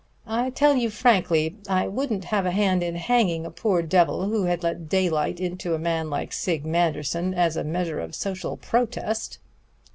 I tell you frankly, I wouldn't have a hand in hanging a poor devil who had let daylight into a man like Sig Manderson as a measure of social protest."